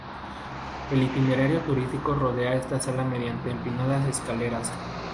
El itinerario turístico rodea esta sala mediante empinadas escaleras.